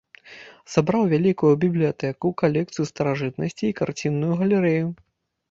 Сабраў вялікую бібліятэку, калекцыю старажытнасцей і карцінную галерэю.